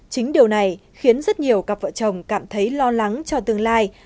chính điều này khiến rất nhiều cặp vợ chồng cảm thấy lo lắng cho tương lai